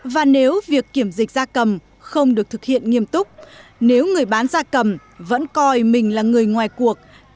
và nếu việc kiểm dịch gia cầm không được thực hiện nghiêm túc nếu người bán gia cầm vẫn coi mình là người ngoài cuộc